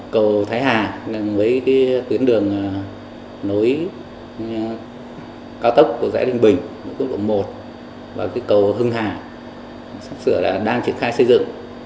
cầu thái hà với tuyến đường nối cao tốc cầu rẽ linh bình cấp độ một và cầu hưng hà sắp sửa là đang triển khai xây dựng